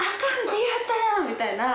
みたいな。